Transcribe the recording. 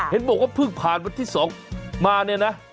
เห็นบอกว่าเพิ่งผ่านวันที่๒มาเนี่ยนะ